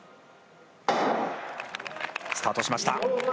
スタートしました。